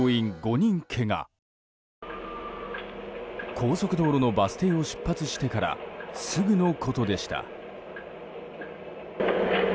高速道路のバス停を出発してからすぐのことでした。